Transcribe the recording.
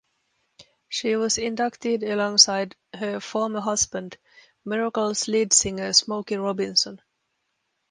She was inducted alongside her former husband, Miracles lead singer Smokey Robinson.